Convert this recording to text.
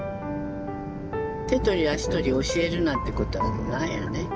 手取り足取り教えるなんてことはないよね。